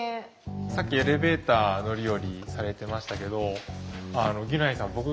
さっきエレベーター乗り降りされてましたけどギュナイさんはい。